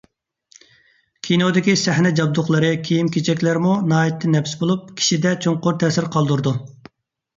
ﻛﯩﻨﻮﺩﯨﻜﻰ ﺳﻪﮪﻨﻪ ﺟﺎﺑﺪﯗﻗﻠﯩﺮى، ﻛﯩﻴﯩﻢ-ﻛﯧﭽﻪﻛﻠﻪﺭﻣﯘ ﻧﺎﮪﺎﻳﯩﺘﻰ ﻧﻪﭘﯩﺲ ﺑﻮﻟﯘﭖ، ﻛﯩﺸﯩﺪﻩ ﭼﻮﯕﻘﯘﺭ ﺗﻪﺳﯩﺮ ﻗﺎﻟﺪﯗﺭﯨﺪﯗ.